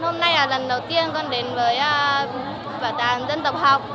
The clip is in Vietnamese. hôm nay là lần đầu tiên con đến với phải tàm dân tộc học